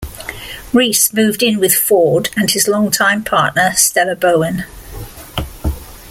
Rhys moved in with Ford and his longtime partner, Stella Bowen.